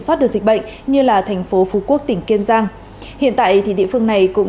soát được dịch bệnh như là thành phố phú quốc tỉnh kiên giang hiện tại thì địa phương này cũng